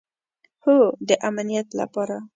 هو، د امنیت لپاره